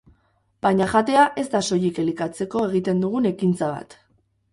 Baina jatea ez da soilik elikatzeko egiten dugun ekintza bat.